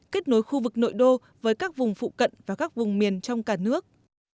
kết nối khu vực nội đô với các vùng phụ cận và các vùng miền trong cả nước